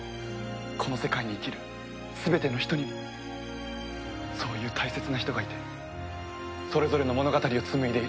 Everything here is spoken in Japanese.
この世界に生きる全ての人にもそういう大切な人がいてそれぞれの物語を紡いでいる。